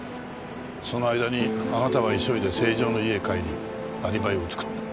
その間にあなたは急いで成城の家へ帰りアリバイを作った。